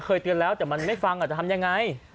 เตือนแล้วแต่มันไม่ฟังจะทำยังไง